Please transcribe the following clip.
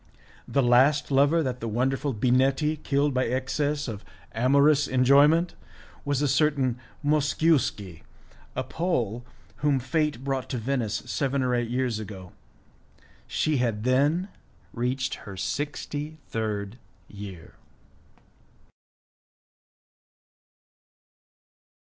The last lover that the wonderful Binetti killed by excess of amorous enjoyment was a certain Mosciuski, a Pole, whom fate brought to Venice seven or eight years ago; she had then reached her sixty third year!